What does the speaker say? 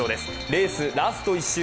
レース、ラスト１周